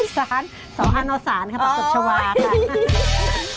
สารสาวอาณาสารค่ะปรักษัตริย์ชาวาค่ะ